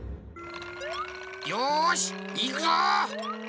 よしいくぞ！